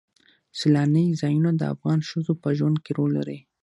سیلانی ځایونه د افغان ښځو په ژوند کې رول لري.